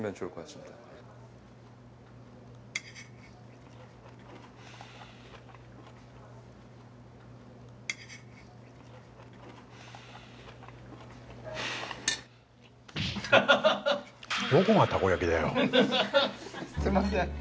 急にすいません